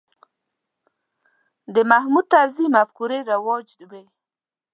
د محمود طرزي مفکورې رواج وې.